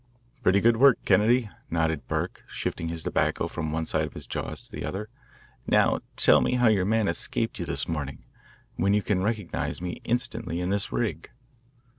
"Pretty good work, Kennedy," nodded Burke, shifting his tobacco from one side of his jaws to the other. "Now, tell me how your man escaped you this morning, when you can recognise me instantly in this rig."